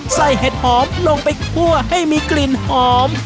เห็ดหอมลงไปคั่วให้มีกลิ่นหอม